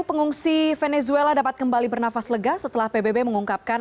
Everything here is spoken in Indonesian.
pengungsi venezuela dapat kembali bernafas lega setelah pbb mengungkapkan